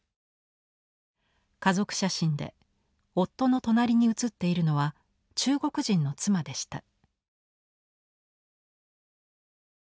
家族写真で夫の隣に写っているのは中国人の妻でした。